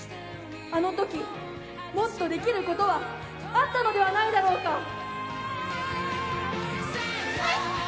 あのとき、もっとできることはあったのではないだろうか。